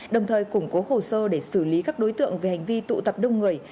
đồng thời củng cố hồ sơ để xử lý các đối tượng về hành vi tụ tập đông người